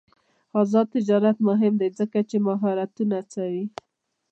آزاد تجارت مهم دی ځکه چې مهارتونه هڅوي.